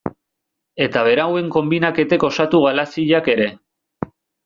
Eta berauen konbinaketek osatu galaxiak ere.